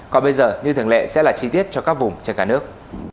còn bây giờ như thường lệ sẽ là chi tiết cho các vùng trên cả nước